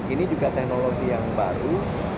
ini juga teknologi yang baru